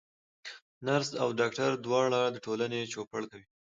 نرس او ډاکټر دواړه د ټولني چوپړ کوي.